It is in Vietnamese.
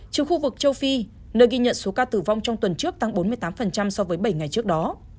trừ khu vực châu phi nơi ghi nhận số ca tử vong trong tuần trước tăng bốn mươi tám so với bảy ngày trước đó